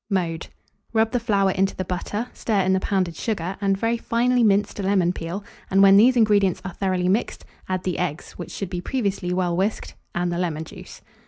Mode. Rub the flour into the butter; stir in the pounded sugar and very finely minced lemon peel, and when these ingredients are thoroughly mixed, add the eggs, which should be previously well whisked, and the lemon juice.